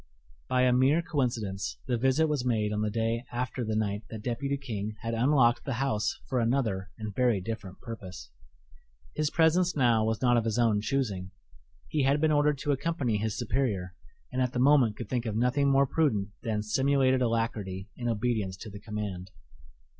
By a mere coincidence, the visit was made on the day after the night that Deputy King had unlocked the house for another and very different purpose. His presence now was not of his own choosing: he had been ordered to accompany his superior, and at the moment could think of nothing more prudent than simulated alacrity in obedience to the command.